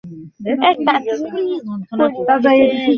সে একটা কবিতার বই কিনে ফেলল।